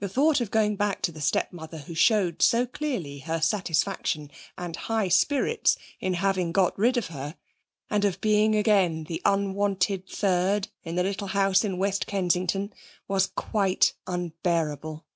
The thought of going back to the stepmother who showed so clearly her satisfaction and high spirits in having got rid of her, and of being again the unwanted third in the little house in West Kensington, was quite unbearable.